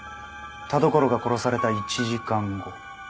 田所が殺された１時間後。